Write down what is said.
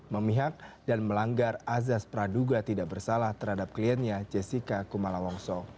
memihak dan melanggar azas praduga tidak bersalah terhadap kliennya jessica kumala wongso